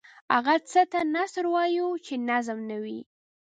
هغه څه ته نثر وايو چې نظم نه وي.